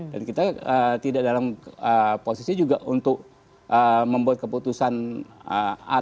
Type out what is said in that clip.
dan kita tidak dalam posisi juga untuk membuat keputusan atau gimana